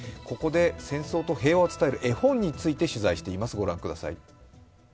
ここで戦争と平和を伝える絵本について取材しています。